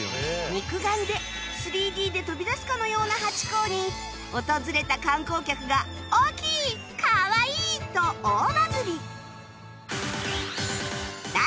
肉眼で ３Ｄ で飛び出すかのようなハチ公に訪れた観光客が「大きい！」「かわいい！」と大バズり